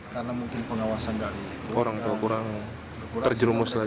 karena mungkin pengawasan dari orang orang terjerumus lagi